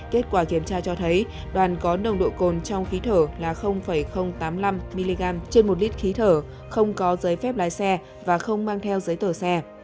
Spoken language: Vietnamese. kết quả kiểm tra cho thấy đoàn có nồng độ cồn trong khí thở là tám mươi năm mg trên một lít khí thở không có giấy phép lái xe và không mang theo giấy tờ xe